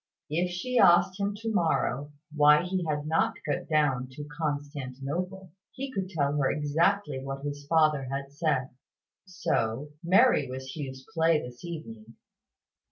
If she asked him to morrow why he had not got down to "Constantinople," he could tell her exactly what his father had said. So merry was Hugh's play this evening.